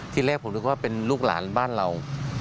ที่แรกผมนึกว่าเป็นลูกหลานบ้านเรา